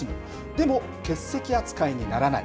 でも、欠席扱いにならない。